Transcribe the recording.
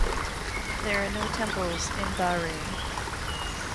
There are no temples in Bahrain.